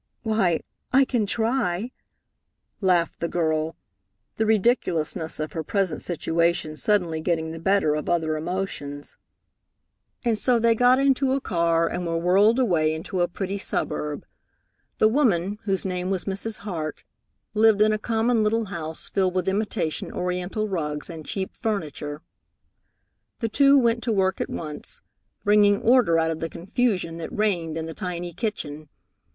"Why, I can try," laughed the girl, the ridiculousness of her present situation suddenly getting the better of other emotions. And so they got into a car and were whirled away into a pretty suburb. The woman, whose name was Mrs. Hart, lived in a common little house filled with imitation oriental rugs and cheap furniture. The two went to work at once, bringing order out of the confusion that reigned in the tiny kitchen.